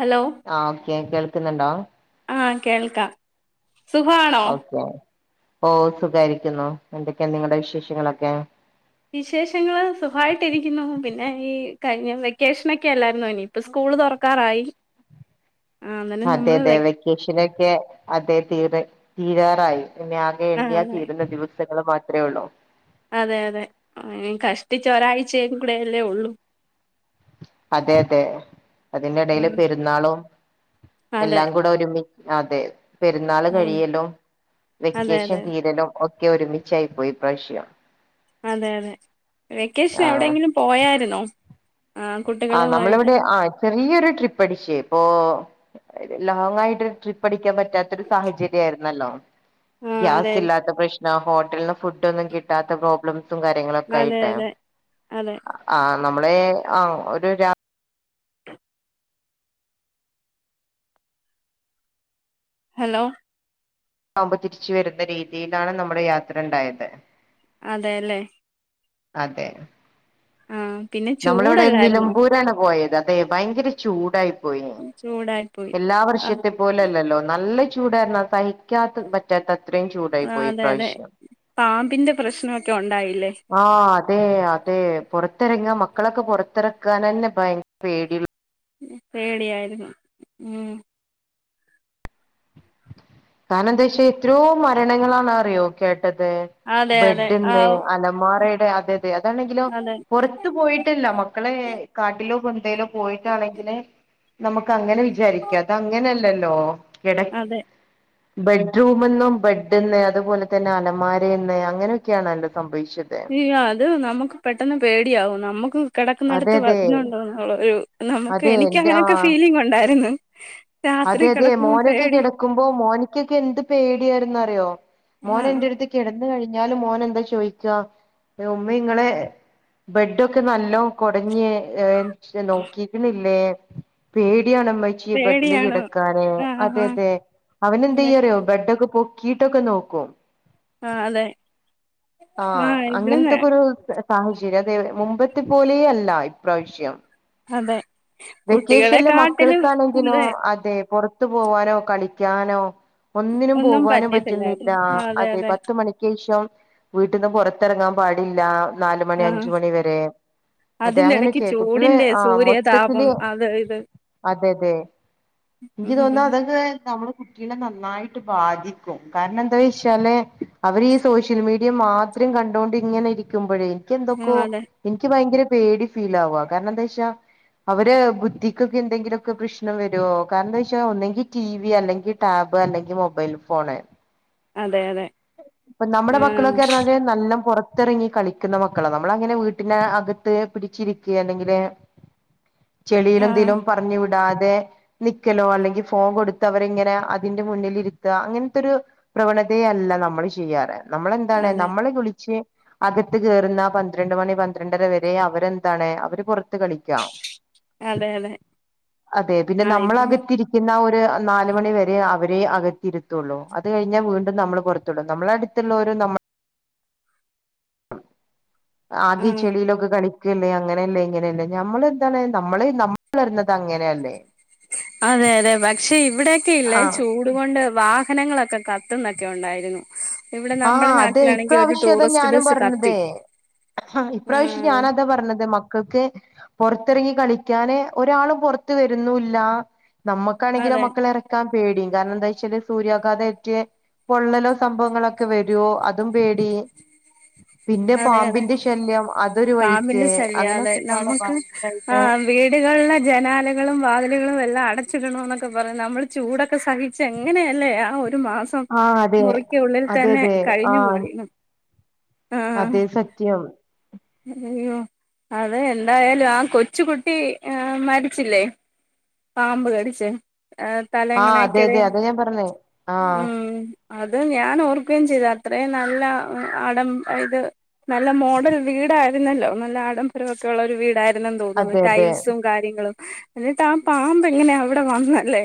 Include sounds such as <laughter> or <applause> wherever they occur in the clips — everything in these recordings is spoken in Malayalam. ഹലോ ആ ഓക്കെ കേൾക്കുന്നുണ്ടോ കേൾക്ക സുഖാണോ ഓക്കെ ഓ സുഖാരിക്കുന്നു എന്തൊക്കെ ണ്ട് നിങ്ങടെ വിശേഷങ്ങളൊക്കെ വിശേഷങ്ങള് സുഖമായിട്ട്ിരിക്കുന്നു പിന്നെ ഈ കഴിഞ്ഞ വെക്കേഷനൊക്കെ അല്ലായിരരുന്നുനി ഇപ്പ സ്കൂള് തുറക്കാറായി ആഹ് അന്നേരം അതെ നമ്മള് അതെ വെ വെക്കേഷനെക്കെ അതെ തീരെ തീരാറായി പിന്നെ ആകെ ആഹ് എണ്ണിയാ അതെ തീരുന്ന ദിവസം ങ്ങൾ മാത്രേ ഒള്ളോ അതെ അതെ കഷ്ടിച്ച് ഒരാഴ്ചയും കൂടെല്ലേ ഒള്ളൂ അതെ അതെ അതിന്റെടയല് ഉം പെരുന്നാളും അതെ എല്ലാം കൂടെ ഒരുമി അതെ പെരുന്നാൾ ഉം കഴിയലും അതെ വെക്കേഷൻ അതെ തീരലും ഒക്കെ ഒരുമിച്ചായി പോയി ഇപ്രാശ്യം അതെ അതെ വെക്കേഷൻ എവിടെയങ്കിലും പോയായിരുന്നോ ആഹ് ആ കുട്ടികളുമായിട്ട് നമ്മളിവിടെ ആ ചെറിയൊരു ട്രിപ്പ് അടിച്ചേ ഇപ്പൊ ലോങയിട്ട് ഒരു ട്രിപ്പ് അടിക്കാൻ പറ്റ പറ്റാത്ത ഒരു സാഹചര്യയിരുന്നു ന്നല്ലോ ആഹ് അതെ ഗ്യാസ് ഇല്ലാത്ത പ്രശ്ന ഹോട്ടലിന്ന് ഫുഡ് ഒന്നും കിട്ടാത്ത പ്രോബ്ലം കാര്യങ്ങളൊക്കെ അതെ ആയിട്ടെ അതെ അതെ അ നമ്മളേ ആ ത് രാ ഹലോ ആവ്മ്പ തിരിച്ച് വരുന്ന രീതിയിലാണ് നമ്മുടെ യാത്രണ്ടായത് അതേല്ലേ? അതെ ആ നമ്മളിവിടെ നിലമ്പൂരാണ് പോയത്. അതെ ഭയങ്കര ചൂടായി പോയിനെട ചൂടായി പോയി എല്ലാ ആഹ് വർഷത്തെ പോലല്ലല്ലോ നല്ല ചൂടാർന്നോ സഹിക്കാത്ത പറ്റാത്ത ത്രേം ചൂടായി പോയി അതെ അതെ ഇപ്രാവശ്യം. പാമ്പിന്റെ പ്രശ്നമൊക്കെ ഉണ്ടായില്ലേ ആ അതെ അതെ പുറത്തിറങ്ങാ മക്കളൊക്കെ പൊറത്തിറക്കാൻനന്നെ ഭയ പേടിയുള്ളൂ പേടിയായിരുന്നു ഉം കാർണം എന്താ വെച്ചാ എത്രയോ മരണങ്ങളാണറിയോ കേ ട്ടത് അതെ അതെ ആ ബെഡ്ന്ന് അലമാരേ തെ അതെ അതെ അതാണെങ്കിലോ അതെ പുറത്ത് പോയിട്ടല്ല മക്കളെ കാട്ടിലോ കൊ ഏലും പോയിട്ടാണെങ്കില് നമുക്ക് അങ്ങനെ വിചാരിക്കാ ഇതങ്ങനല്ലല്ലോ. എടെ അതെ ബെഡ്റൂമന്നും ബെഡ്ന്ന് അതുപോലെ തന്നെ അലമാരെന്ന് അങ്ങനൊക്കെയാണ് എന്തോ സംഭവി യാ അത് നമ്മക്ക് പെട്ടെന്ന് പേടിയാവും നമ്മക്ക് അതെ കിടക്കുന്നെടത്ത് അതെ വരുന്നുണ്ടോന്നുള്ള ഒരു നമുക്ക് അതെ എനിക്കങ്ങനെയൊക്കെ ഫീലിംഗ് ഒണ്ടാരുന്നു അതെയതെ മോനൊക്കെ കിടക്കുമ്പോ മോന്ക്കെക്കെ എന്ത് പേടിയായിരുന്നറിയോ ആ മോനെന്റടുത്ത് കിട ന്ന് കഴിഞ്ഞാലും മോനെന്താ ചോദിക്കാ ഉമ്മേ ഇങ്ങളെ ബെഡൊക്കെ നല്ലോം കൊടഞ്ഞ് ക്കെ നോക്കീക്ക്ണില്ലേ? പേ ടിയാണമ്മച്ചീ ബെ പേടിയാണ് കിടക്കാനെ, ആ അതെ ആ അതെ അവനെന്താ അതെ ചെയ്യറിയോ ബെഡൊക്കെ പൊ ക്കീട്ടൊക്കെ നോക്കും ആ അതെ ആ അങ്ങനത്തെക്കൊരു സാഹചര്യം, അതെ മുമ്പൽത്തെ പോലേ അല്ല ഇപ്രാവശ്യം. അതെ കുട്ടികളെ വെക്കേഷനില് കാട്ടിലും മക്കൾക്കാണെങ്കിലോ അതെ അതെ പുറത് പോവാനോ കളിക്കാനോ ഒന്നിനും ഒന്നും പോകാനും പറ്റുന്നില്ല പറ്റിയത്തില്ലായിരുന്നു ആ അതെ പത്ത മണക്ക് ശേഷം വീട്ടന്നും പൊറത്തിറങ്ങാൻ പാടില്ല നാല മണി ആഹ് അഞ്ച മണി വരെ അതെ അതിന്റെ ഇടയ്ക്ക് അങ്ങനെയൊക്കെയ കുട്ടികള ചൂടിന്റെ ആ മൊത്ത സൂര്യതാപം അത് ഇത് അതെ അതെ എനിക്ക് ഉം തോന്ന ഉം അതൊക്കെ നമ്മ കുട്ടികളെ നന്നായിട്ട് ബാധിക്കും കാരണം എന്താ വെച്ചാല് അവര് ഈ സോഷ്യൽ മീഡിയ മാത്രം കണ്ടോണ്ട് ഇങ്ങനെ ഇരിക്കുമ്പോഴേ എനിക്ക് ആ എന്തൊക്കോ അതെ എനിക്ക് ഭയങ്കര പേടി ഫീൽ ആവാ കാരണം എന്താ ച്ചാ അവര് ബുദ്ധിക്കൊക്കെ എന്തെങ്കിലുമൊക്കെ പ്രശ്നം വരുവോ കാരണം എന്താ വെച്ചാൽ ഒന്നെങ്കി ടി വി അല്ലെങ്കിൽ ടാബ് അല്ലെങ്കിൽ മൊബൈൽ ഫോണ് അതെ അതെ ഇപ്പൊ നമ്മുടെ മക്കളൊക്കെ ആഹ് പറഞ്ഞാല് നല്ല പുറത്ത് പുത്തിറങ്ങി കളിക്കുന്ന മക്കളോ നമ്മള അങ്ങനെ വീട്ടിന അകത്ത് പിടിച്ചിരിക്ക അല്ലെങ്കില് ചെളിയിലും ആഹ് ദിലവും പറഞ്ഞു വിടാതെ നിക്കലോ അല്ലെങ്കിൽ ഫോം കൊടുത്ത് അവർങ്ങനെ അതിന്റെ മുന്നിൽിരുത്തുക അങ്ങനത്തെൊ ഒരു പ്രവണതയയല്ല നമ്മള് ചെയ്യണ്ടത് നമ്മളെന്താണ് അതെ നമ്മളെ വിളിച്ച് അകത്ത് കയറുന്ന പന്ത്രണ്ട് മണി പന്ത്രണ്ടര വരെ അവരെന്താണ് അവര് പുറത്ത് കളിക്കാം അതെ അതെ അതെ പിന്നെ ആ ഇത് നമ്മളകത്തിരിക്കുന്ന ഒരു നാല മണി വരെ അവരെ അകത്തിയിരുത്തുള്ളൂ അത് കഴിഞ്ഞാൽ വീണ്ടും നമ്മൾ പുറത്തുള്ളൂ നമ്മള അടുത്തുള്ള ഒരു നമ്മ ആകെ ആഹ് ചെളിലൊക്ക കളിക്ക ല്ലേ അങ്ങനെയല്ലേ ഇങ്ങനെയല്ലേ നഞമ്മൾ എന്താണ് നമ്മളെ നമ്മൾ വരുന്നത് അങ്ങനെയല്ലേ അതെ അതെ ഭക്ഷി ഇവിടെയൊക്കെ ഇല്ലേ ആഹ് ചൂട് കൊൊണ്ട് വാ നങ്ങളൊക്കെ കത്തുന്നൊക്കെ ഉണ്ടായിരുന്നു ഇവിടെ ആഹ നമ്മുടെ അത നാട്ടിലാണെങ്കിൽ ഒരു ഇപ്രാവശ്യ അതാ ടൂറിസ്റ്റ് ഞാനും ബസ് കത്തി പറഞ്ഞത്േ ആ ഇപാവശ്യം അതെ ഞാനതാ പറഞ്ഞത് മക്കൾക്ക് പുൊറത്തിറങ്ങി കളിക്കാന് ഒരാളും പുറത്ത വരുന്നുല്ല നമ്മുക്കാണെങ്കിലും അതെ മക്കള ഇറക്കാൻ പേടിയും കാരണം എന്താ വെച്ചാല് സൂര്യാഘാതംഏെറ്റ് പൊള്ളലോ സംഭവങ്ങളൊക്കെ ഒക്കെ വരുവോ അതും പേടി പിന്നെ അതെ അതെ പാമ്പിന്റെ ശല്യം അതൊരു വഴിക്ക് പാമ്പിന്റെ ശല്യ അതെ അങ്ങനൊക്കെപാടെ നമുക്ക് ആ ഭയങ്കരായിട്ട് വീടുകളുള്ള ജനാലകളും വാതിലുകളും എല്ലാം അടച്ചിടണ എന്നൊക്കെ പറ നമ്മൾ ചൂടൊക്കെ സഹിച്ച് എങ്ങനെയല്ലേ ആ ഒരു മാസം ആഹ് അതെ മുറിക്ക ഉള്ളിൽ അതെ തന്നെ അതെ കഴിഞ്ഞു ആഹ് കുഴിയും അതെ സത്യം അയ്യോ അത എന്തായാലും ആ കൊച്ച കുുട്ടി മരിച്ചില്ലേ പാമ്പ് കടിച്ച് ആ തല ആഹ് അതെ എങ്ങണക്കിട അതെ അതാ ഞാൻ പറഞ്ഞേ ആഹ് ഉം അത് ഞാൻ ഓർക്കുകയും ചെയ്ത അത്രയും നല്ല അടം ഇത് നല്ല മോഡൽ ഉ <unintelligible> വീടായിരുന്നല്ലോ നല്ല ആഡംബരമൊക്കെ ഉള്ള ഒരു വീടായി ന്ന് തോന്നുന്നു അതെ അതെ ടൈൽസും കാര്യങ്ങളും എന്നിട്ട് ആ പാമ്പ് എങ്ങനെയാ അവിടെ വന്നല്ലേ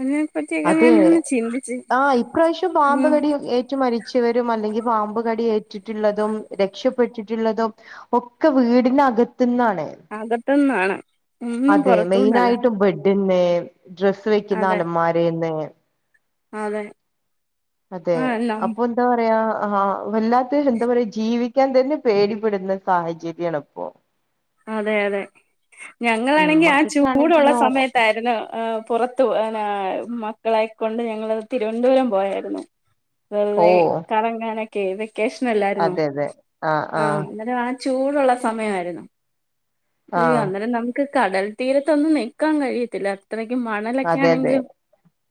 അതിനെ പറ്റിയൊക്കെ ഞാൻ അതെ ഇങ്ങനെ ചിന്തിച്ച് ആ ഇപ്രാവശ്യം ഉം പാമ്പ്കടി ഏറ്റു മരിച് ച്ചുവരും അല്ലെങ്കിപാമ്പ് കടി ഏറ്റിട്ടുള്ളതും രക്ഷപ്പെട്ടിട്ടുള്ളതും ഒക്കെ വീടിനക അകത്ത് നിന്നാണ് അതെ മെയിൻ ആയിട്ടും ബെഡ് ഡ്ഡിന്നെ ഡ്രസ്സ് വെക്കുന്ന അതെ അലമാരേന്ന് അതെ അതെ ആ നം അപ്പൊ എന്താ പറയാ ആ വല്ലാത്ത എന്താ പറയാ ജീവിക്കാൻ തന്നെ പേടിപ്പെടുന്ന സാഹചര്യാണ് ഇപ്പൊ അതെ അതെ ഉം ഞങ്ങളാണെങ്കി ആ ചൂടുള്ള മക്കൾക്കാണെങ്കിലോ സമയത്തായിരുന്നു ആ പുറത്തു പോ <unintelligible> ക്കളെക്കൊണ്ട് ഞങ്ങളത് തിരുവനന്തപുരം പോയായിരുന്നു ഓ വെറുതെ കറങ്ങാന ക്കെ വെ ക്കേഷനല്ലായിരുന്നോ അതെ അതെ ആഹ് ആ ആഹ് അന്നേരം ആ ചൂടുള്ള സമയമായിരുന്നു അയ്യോ ആഹ് അന്നേരം നമുക്ക് കടൽ തീരത്തൊന്നും നിക്കാൻ കഴിയത്തില്ല അത്രക്കും മണലൊക്കെ അതെ അതെ ആണെങ്കിലും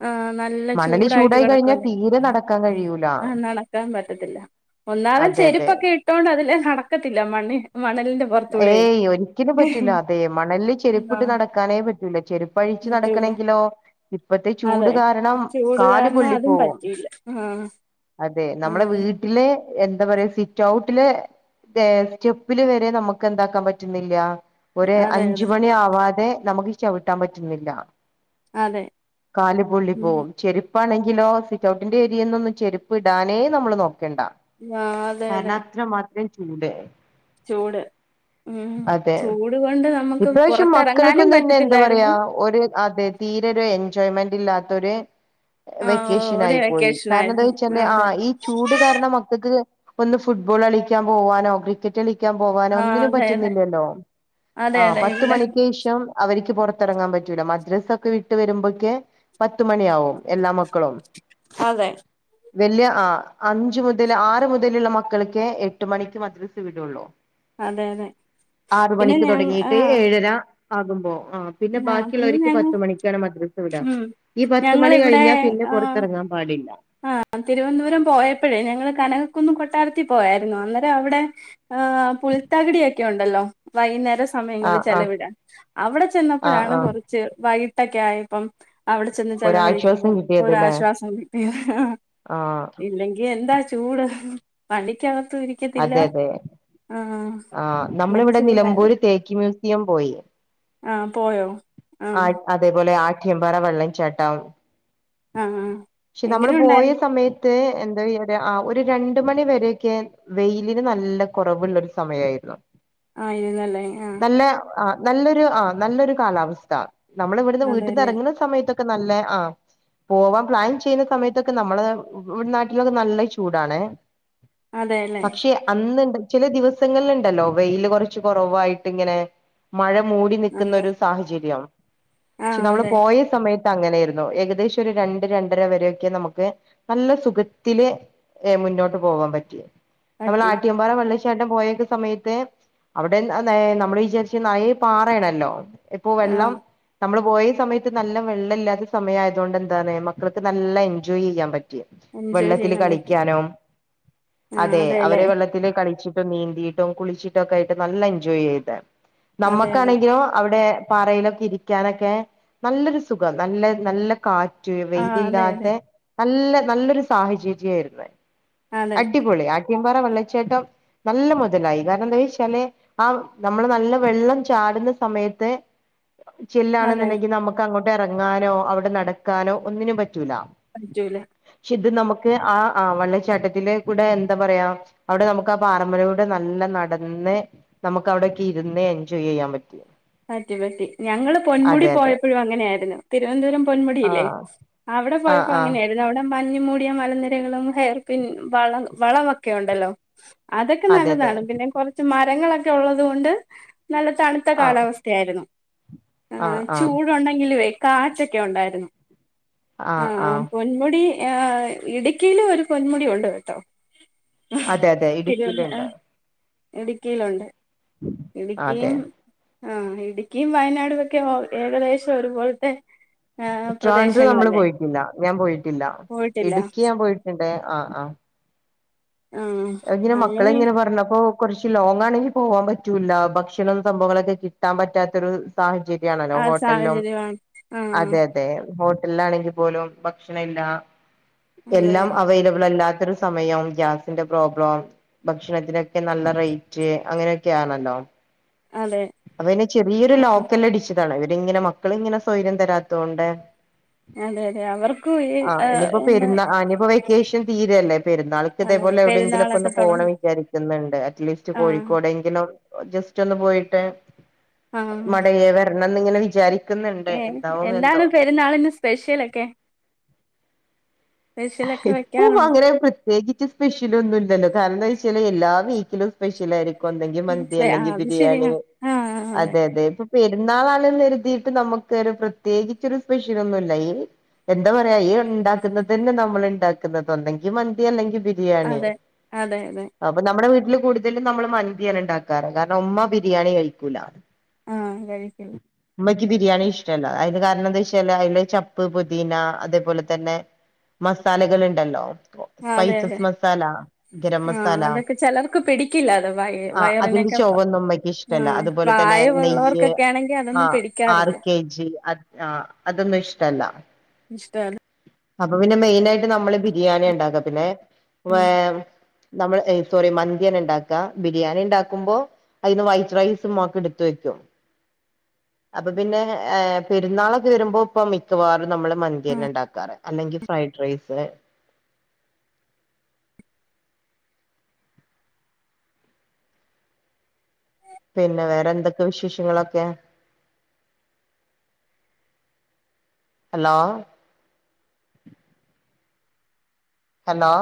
ആ നല്ല മണല് ചൂടായിട്ട് ചൂടായി കിടക്കു കഴിഞ്ഞാൽ അല്ലേ തീരെ നടക്കാൻ കഴിയൂല ആ നടക്കാൻ പറ്റത്തില്ല ഒന്നാലെ അതെ അതെ ചെരുപ്പൊക്കെ ഇട്ടോണ്ട് അതില് നടക്കത്തില്ല മണ്ണ് മണലിന്റെ പുറത്തൂടെ ഏയ് ഒരിക്കലും പറ്റൂല അതെ മണലില് ചെരുപ്പിട്ട് ആഹ് നടക്കാനേ പറ്റൂല ചെരുപ്പഴിച്ചു പറ്റൂല നടക്കണെങ്കിലോ ഇപ്പത്തെ ചൂട് അതെ കാരണം ചൂട് കാല് കാരണം പൊള്ളി അതും പോവും പറ്റിയില്ല ആഹ് അതെ നമ്മടെ ആഹ് വീട്ടിലെ എന്താ പറയാ സിറ്റ് ഔട്ടിലെ സ്റ്റെപ്പില് വരെ നമ്മക്ക് ക്ക് എന്താക്കാൻ പറ്റുന്നില്ല ഒര് അതെ അതെ അഞ്ച്മണി ആവാതെ നമുക്ക് ചവിട്ടാൻ പറ്റുന്നില്ല അതെ കാലു പൊള്ളി ഉം പോവും ചെരു ഇപ്പാണെങ്കിലോ സിറ്റ്ഔട്ടിന്റെ ഏരിയേ നൊന്നും ചെരുപ്പ് ഇടാനേ നമ്മള് നോ ക്കണ്ട ആഹ് അതെ കാരണം അതെ അത്രമാത്ര ത്രം ചൂട് ചൂട് ഉം അതെ ചൂട് കൊണ്ട് നമുക്ക് ഇപ്രാവശ്യം പുറത്തിറങ്ങാനും മക്കൾക്കൊന്ന് തന്നെ എന്താ പറ്റത്തില്ലായിരുന്നു പറയാ ഒരു അതെ തീരെ ഒരു എൻ എൻജോയ്മെന്റ് ഇല്ലാത്തൊര് ആ ഒരു വെക്കേഷനായി പോയി വെക്കേഷൻ ആയിരുന്നു കാരണെന്താച്ചാല് ആ അതെ ഈ ചൂട് കാരണം മക്കൾക്ക് ഒന്ന് ഫുട്ബോള് കളിക്കാൻ പോവാനോ ക്രിക്കറ്റ് കളി ക്കാൻ പോവാനോ ആ ഒന്നിനും അതെ അതെ പറ്റുന്നില്ലല്ലോ അതെ ആ അതെ ഇവിടെ പത്തുമണിക്കീഷം അവരിക്ക് പൊറ പുറത്തിറങ്ങാൻ പറ്റൂല മദ്രസ്സൊക്കെ വിട്ട് വരുമ്പോക്കെ പത്തു മണിയാവും എല്ലാ മക്കളും അതെ വല്യ ആ അഞ്ചു മുതല് ആറ് മുതലുള്ള മക്കൾക്കേഎട്ട് മണിക്ക് മദ്രസ്സ വിടുവൊള്ളു അതെ ആറ് പിന്നെ മണിക്ക് ഞ ആ തൊടങ്ങീട്ട് ഏഴര ആകുമ്പോ ആ പിന്നെ ആ പിന്നെ ബാക്കിയുള്ളോരിക്ക് ഞങ്ങ പത്തു മണിക്കാണ് മദ്രസ്സ വിട്വ ഉം ഈ പത്തുമണി ഞങ്ങളിവിടെ കഴിഞ്ഞാപിന്നെ പൊറത്തെറങ്ങാൻ പാടില്ല ആ തിരുവനന്തപുരം പോയപ്പൊഴേ ഞങ്ങള് കനകക്കുന്ന് കൊട്ടാരത്തിൽ പോയാരുന്നു അന്നേരം അവിടെ ആ പുൽത്തകിടിയൊക്കെ ഉണ്ടല്ലോ വൈകുന്നേരം ആ സമയങ്ങളിൽ ആ ചെലവിടാൻ അവിടെ ആ ചെന്നപ്പൊഴാണ് ആ കുറച്ച് വൈ ക്കെ ആയപ്പം അവിടെ ചെന്ന് ഒരാശ്വാസം ചെലവഴിക്കുമ്പോ കിട്ടിയത് ല്ലേ ഒരാശ്വാസം കി ആ ഇല്ലെങ്കി എന്താ ചൂട് വണ്ടിക്കത അതെ അതെ ആ അങ്ങനെ നമ്മളിവിടെ ചൂടായിരുന്നു നിലമ്പൂര് തേക്ക് മ്യൂസിയം പോയി ആഹ് പോയോ ആ ആഹ് അതേപോലെ ആ പഖ്യ പാറ വെള്ളച്ചാട്ടം ആഹ് ആഹ് പക്ഷെ നമ്മള് എങ്ങനെ പോയ ഉണ്ടായിരുന്നു സമയ എന്താ എവിടെആ ഒരു രണ്ടുമണി വരെയൊക്കെ വെയിലിന് നല്ല കൊറവുള്ളൊരു സമയായിരുന്നു ആയിരുന്നല്ലേ ആ നല്ല ആ നല്ലൊരു ആ നല്ലൊരു കാലാവസ്ഥ നമ്മളിവിടുന്ന് വീട്ടീന്ന് അതെല്ലേ എറങ്ങുന്ന സമയത്തൊക് നല്ല ആ പോവാൻ പ്ലാൻ ചെയ്യുന്ന സമയത്തൊക്കെ നമ്മള ഇവിടെ നാട്ടിലൊക്കെ നല്ല ചൂടാണ് അതെല്ലേ പക്ഷെ അന്ന്ണ്ട് ചില ദിവസങ്ങളില്ണ്ടല്ലോ വെയില് കുറച്ച് കുറവായിട്ട് ഇങ്ങനെ മഴ മൂടി നൽക്കുന്നൊ അതെ ഒരു സാഹചര്യം പക്ഷെ ആഹ് നമ്മള് അതെ പോയ സമയത്ത് അങ്ങനെയായിരുന്നു ഏകദേശം ഒരു രണ്ട് രണ്ടര വരൊക്കെ നമുക്ക് നല്ല സുഖത്തില് ഏഹ് മുന്നോട്ട് പോവാൻ പറ്റി നമ്മളെ പറ്റി ആട്ടിയംപാറ വെള്ള ഇഷ്ട് ട്ടൻ പോയക് സമയത്ത് അവിടെ നെ നമ്മൾ വിചാരിച്ചെ നറയെ പാറയാണല്ലോ ഇപ്പൊ വെള്ളം ആഹ് നമ്മള് പോയ സമയത്ത് നല്ല വെള്ള ഇല്ലാത്ത സമയ ആയതുകൊണ്ട് എന്താണ് മക്കൾക്ക് നല്ല എൻജോയ് ചെയ്യാൻ പറ്റും റ്റിയ എൻജോയ് വെള്ളത്തില് ചെയ്യാൻ പറ്റി കളിക്കാനും ആഹ് അതെ അതെല്ലേ അവരെ വെള്ളത്തില് കളിച്ചു നീന്തിയിട്ടും കുളിച്ചിട്ടൊ ഒക്ക ആയിട്ട് നല്ല എൻജോയ് ചെയ്തെ അതെ അതെ നമ്മക്കാണെങ്കിലും അവിടെ പാറയിലൊക്കെ ഇരിക്കാനൊക്കെ നല്ലൊരു സുഖം നല്ല നല്ല കാ റ്റുവെ ആഹ് അതെ വെയിലില്ലാത്ത അതെ നല്ല നല്ലൊരു സാഹചര്യ ആരുന്ന അതെ ആട്ട്യൻപാറ വെള്ളച്ചാട്ടം നല്ല മുതലായി കാരണം എന്താ ചോയിച്ചാല് ആ നമ്മള് നല്ല വെള്ളം ചാടുന്ന സമയത്ത് അതെ ചെല്ലാണെന്നുണ്ടെങ്കി നമുക്ക് അങ്ങോട്ട് അവിടെ ഇറങ്ങാനോ അവിടെ നടക്കാനോ ഒന്നിനും പറ്റൂല പടിച്ചൂല്ലേ പക്ഷെ ഇത് നമുക്ക് ആ ആ വെള്ളച്ചാട്ടത്തില് ഇവിടെ എന്താ പറയാ അവിടെ നമുക്ക് ആ പാറെമ്മിലൂടെ നല്ല നടന്ന് നമുക്ക് അവിടൊക്കെ ഇരുന്ന് എൻജോയ് ചെയ്യാൻ പറ്റി പറ്റി പറ്റി ഞങ്ങള് പൊന്മുടി അതെ അതെ പോയപ്പോഴും അങ്ങനെയായിരുന്നു തിരുവനന്തപുരം പൊന്മുടിയില്ലേ ആഹ് അവിടെ ആഹ് പോയപ്പോ ആഹ് അങ്ങനൊയിരുന്നു അവിടെ മ് മഞ്ഞ മൂടിയ മലനിരകളും ഹെയർ പിൻ വള വളവൊക്കെ ഉണ്ടല്ലോ അതൊക്കെ അതെ അതെ നല്ലതാണ് പിന്നെ കുറച്ച് മാ രങ്ങളൊക്കെ ഉള്ളത് കൊണ്ട് നല്ല തണുത്ത ആഹ് കാലാവസ്ഥ അയിരുന്നു ആ ആഹ് ആഹ് ചൂടുണ്ടെങ്കിലും വെക്ക കാറ്റൊക്കെ ഉണ്ടായിരുന്നു ആഹ് ആഹ് പൊന്മുടി ഇടുക്കിയിലും ഒരു പൊന്മുടി ഉണ്ട് കേട്ടോ അതെ അതെ തിരുവല്ല ഇടുക്കിയിലുണ്ട് ഇടുക്കിയിലുണ്ട് അതെ ഇടുക്കിയും ആ ഇടുക്കിയും വയനാടുംക്കെ ഏകദേശം ഒരുപോലത്തെ ഉട്രാഡ നമ്മള് പ്രദേശങ്ങളല്ലേ പോയിട്ടില്ല ഞാൻ പോയിട്ടില്ല പോയിട്ടില്ല ഇടുക്കി ഞാൻ പോയിട്ടുണ്ട് ആ ആ ആ ഇങ്ങനെ മക്കള അങ്ങനെ എങ്ങനെ പറഞ്ഞപ്പോ കുറച്ച്ു ലോങ്ങ ആണെങ്കിൽ പോവാൻ പറ്റൂല്ല ഭക്ഷണം സംഭവങ്ങളൊക്കെ കിട്ടാൻ പറ്റാത്തൊരു സാഹചര്യ ണല്ലോ ആ ഹോട്ടലില സാഹചര്യമാണ് ആ അതെ അതെ എല്ലാണെങ്കി പോലും ഭക്ഷണ ഇല്ല അതെ എല്ലാം അതെ അവൈലബിൾ അല്ലാത്ത സമയം ഗ്യാസിന്റെ പ്രോബ്ലം ഭക്ഷണത്തിനൊക്കെ നല്ല റേറ്റ് അങ്ങനെയൊക്കെയാണല്ലോ അതെ അപ്പ പി ചെറിയൊരു ആ ലോക്കല് അടിച്ചു ഇവരിങ്ങനെ മക്കള ഇങ്ങനെ സൗര്യം തരാത്ത കൊണ്ട് അതെ അതെ അവർക്കും ഈ എന്ന് ദേഷ്യം തീരല്ലേ പെരുന്നാൾക്ക് ഇതേപോലെ എവിടെയെങ്കിലൊക്കെ ഒന്ന് പെരുന്നാളൊക്കെ തുടങ്ങ പോകണം വിചാരിക്കുന്നുണ്ട് അറ്റ്ലീസ്റ്റ് ആഹ് കോഴിക്കോടെങ്കിലും ജസ്റ്റ് ഒന്ന് പോയിട്ട് അ മടയെവ ങ്ങനെ വിചാരിക്കും ഏർ എന്താണ് പെരുന്നാളിന് സ്പെഷ്യൽൊക്കെ ഇപ്പൊ അര പ്രത്യേകിച്ച് സ്പെഷ്യൽ ഒന്നുംല്ലല്ലോ കാരണം എന്താ വെച്ചാ എല്ലാ വീക്കിലും സ്പെഷ്യലായിരിക്കും െ മന്തി അല്ലെ ആഹ് അത് ബിയാണി ശരിയാ ആഹ് അതെ അതെ പെരുന്നാള നമ പ്രത്യേകിച്ച ഒരു സ്പെഷ്യൽ ഒന്നുമല്ല എന്താ പറയാ ഈ ഉണ്ടാക്കുന്നത് തന്നെ നമ്മൾ ഉണ്ടാക്കുന്നത്ണ്ടെങ്കിൽ മന്ി അല്ലെങ്കിൽ ബിരിയാണി അതെ അതെ അതെ അപ്പൊ നമ്മുടെ വീട്ടിൽ കൂടുതലും നമ്മ മ ബിരിയാണി ഉണ്ടാക്കാറ കാരണം ഉമ്മ ബിരിയാണി കഴിക്കൂലാണ് ആഹ കഴിക്കില്ല എക്ക് ബിരിയാണി ഇഷ്ടല്ല അതിന് കാരണം എന്താ വെച്ചാല് അതില് ചപ്പ് പുദീന അതേപോലെ തന്നെ മസാലകൾ ഉണ്ടല്ലോ അതെ അതെ സ്പൈസസ് മസാല ഗരം ആഹ് മസാല അതൊക്കെ ചിലർക്ക് പിടിക്കില്ല അത് വയ ആ അതിന്റെ വയറിനൊക്കെ ചവൊന്നും അമ്മയ്ക്ക് ഇഷ്ടമല്ല ആഹ് അതുപോലെ തന്നെ നെയ്യ് പ്രായമുള്ളവർക്കൊക്കെ ആണെങ്കി അതൊന്നും ആഹ ആർ പിടിക്കാറില്ല കെ ജി അ ആഹ അതൊന്നും ഇഷ്ടല്ല ഇഷ്ടല്ല അപ്പൊ പിന്നെ മെയിന ആയിട്ട് നമ്മള് ബിരിയാണി ഉണ്ടാക്ക പിന്നെ വേ നമ്മൾ സോറി മന്തിയേന ഉണ്ടാക്കാ ബിരിയാണി ഉണ്ടാക്കുമ്പോ അതിന് വൈറ്റ് റൈസും ഒക്കെ എടുത്ത വെക്കും അപ്പൊ പിന്നെ പെരുന്നാളൊക്കെ വരുമ്പോ ഇപ്പ മിക്കവാറും നമ്മള് മന്തിയന ഉണ്ടാക്കാറ് അല്ലെങ്കിൽ ഫ്രൈഡ് റൈസ് പിന്നെ വേറെ എന്തൊക്കെ വിശേഷങ്ങളൊക്കെ ഹലോ ഹലോ